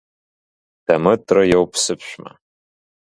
Дамытра иоуп сыԥшәма.